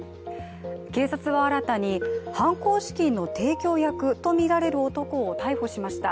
警察は新たに犯行資金の提供役とみられる男を逮捕しました。